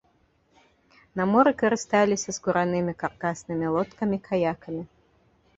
На моры карысталіся скуранымі каркаснымі лодкамі-каякамі.